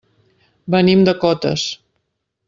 Venim de Cotes.